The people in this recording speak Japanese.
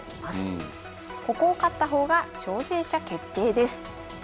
ここを勝った方が挑戦者決定です。